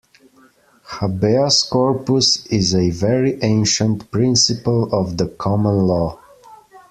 Habeas corpus is a very ancient principle of the common law